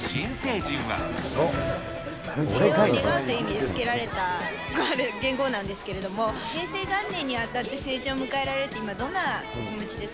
平和を願うという意味でつけられた元号なんですけれども、平成元年にあたって成人を迎えられるって、今、どんな気持ちです